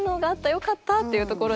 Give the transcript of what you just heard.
よかった！」っていうところでまずは。